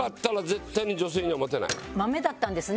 マメだったんですね。